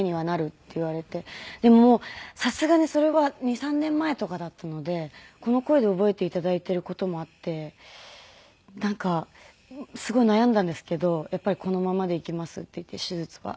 でももうさすがにそれは２３年前とかだったのでこの声で覚えて頂いている事もあってなんかすごい悩んだんですけどやっぱりこのままでいきますって言って手術は。